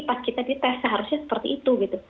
pas kita dites seharusnya seperti itu gitu